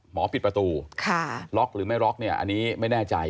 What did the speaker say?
ปิดประตูล็อกหรือไม่ล็อกเนี่ยอันนี้ไม่แน่ใจ